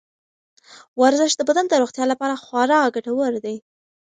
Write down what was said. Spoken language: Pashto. ورزش د بدن د روغتیا لپاره خورا ګټور دی.